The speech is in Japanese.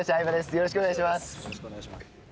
よろしくお願いします。